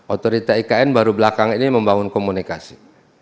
otorita ikn baru belakang ini membangun komunikasi